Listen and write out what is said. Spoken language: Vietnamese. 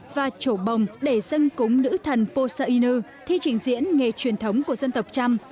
và chỗ bồng để dân cúng nữ thần posa inu thi trình diễn nghề truyền thống của dân tộc trăm